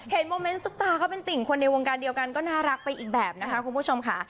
โมเมนต์ซุปตาเขาเป็นติ่งคนในวงการเดียวกันก็น่ารักไปอีกแบบนะคะคุณผู้ชมค่ะ